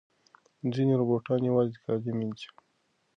ځینې روباټونه یوازې کالي مینځي.